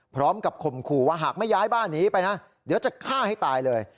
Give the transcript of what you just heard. ข่มขู่ว่าหากไม่ย้ายบ้านหนีไปนะเดี๋ยวจะฆ่าให้ตายเลย